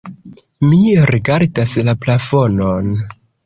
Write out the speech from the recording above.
Mi rigardas la plafonon.